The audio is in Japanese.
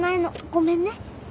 ごめんね。